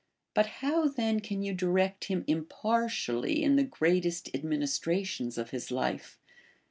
But hoAv then can you direct him impartially in the greatest administrations of his life